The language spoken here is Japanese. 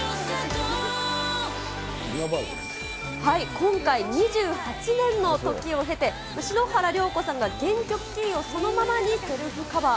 今回、２８年の時を経て、篠原涼子さんが原曲キーをそのままにセルフカバー。